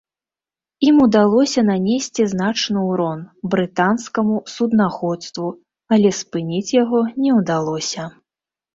Ім удалося нанесці значны ўрон брытанскаму суднаходству, але спыніць яго не ўдалося.